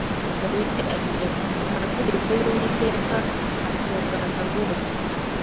Dawidi agira ati: “Amategeko y’Uwiteka atungana rwose.